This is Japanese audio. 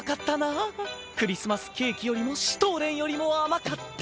クリスマスケーキよりもシュトーレンよりも甘かった！